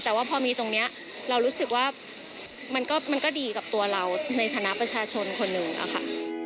แต่ว่าพอมีตรงนี้เรารู้สึกว่ามันก็ดีกับตัวเราในฐานะประชาชนคนหนึ่งอะค่ะ